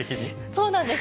そうなんです。